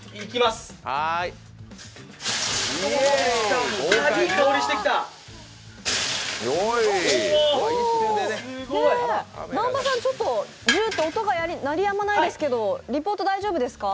すごい！南波さん、ジューッて音が鳴り止まないですけど、リポート大丈夫ですか？